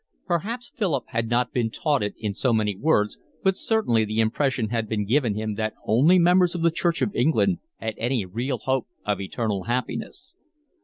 Perhaps Philip had not been taught it in so many words, but certainly the impression had been given him that only members of the Church of England had any real hope of eternal happiness.